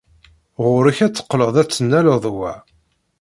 Ɣur-k ad teqqled ad tennaled wa.